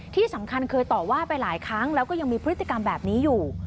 ที่สำคัญเคยต่อว่าไปหลายครั้งแล้วก็ยังมีพฤติกรรมแบบนี้อยู่